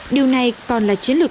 điều này còn là chiến lược